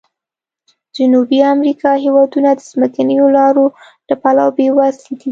د جنوبي امریکا هېوادونه د ځمکنیو لارو له پلوه بې وزلي دي.